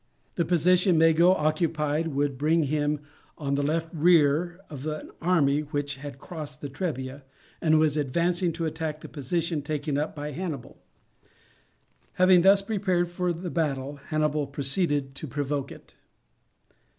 The position Mago occupied would bring him on the left rear of an army which had crossed the Trebia, and was advancing to attack the position taken up by Hannibal. Having thus prepared for the battle, Hannibal proceeded to provoke it.